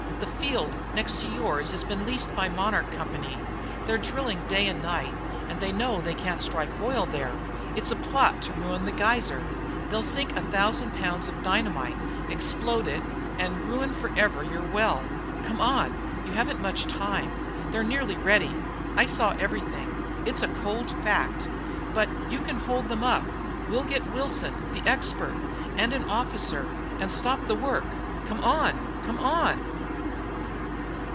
The field next to yours has been leased by the Monarch Co. They are drilling day and night, and they know they can't strike oil there. It's a plot to ruin 'The Geyser.' They'll sink a thousand pounds of dynamite, explode it, and forever ruin your well. Come on. You haven't much time. They're nearly ready. I saw everything. It's a cold fact. But you can hold them up. We'll get Wilson, the expert, and an officer, and stop the work. Come on! Come on!"